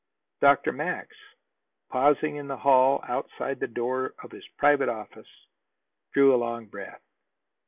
Dr. Max, pausing in the hall outside the door of his private office, drew a long breath.